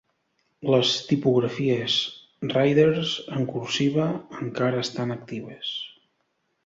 Les tipografies Riders en cursiva encara estan actives.